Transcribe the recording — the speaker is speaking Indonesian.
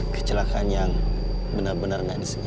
kecelakaan yang benar benar gak disengaja